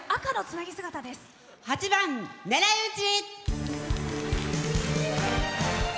８番「狙いうち」。